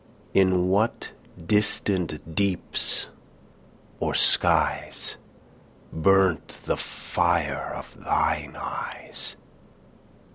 In what distant deeps or skies Burnt the fire of thine eyes?